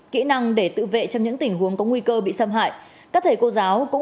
kỹ năng để tự vệ trong những tình huống có nguy cơ bị xâm hại